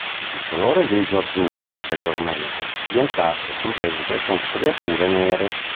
Il colore è grigio-azzurro superiormente, biancastro sul ventre con striature nere.